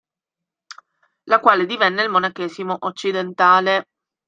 La quale divenne il monachesimo occidentale.